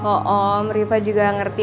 om rifka juga ngerti